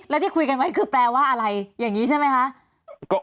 แล้วที่คุยกันไว้คือแปลว่าอะไรอย่างนี้ใช่ไหมคะ